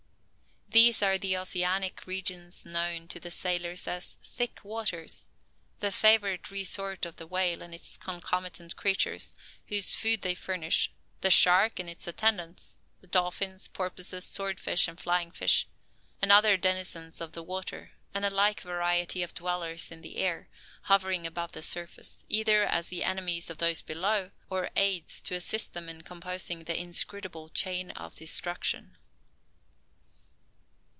These are the oceanic regions known to the sailors as "thick waters," the favourite resort of the whale and its concomitant creatures, whose food they furnish; the shark, and its attendants; the dolphins, porpoises, sword fish and flying fish; with other denizens of the water; and a like variety of dwellers in the air, hovering above the surface, either as the enemies of those below, or aids to assist them in composing the inscrutable "chain of destruction."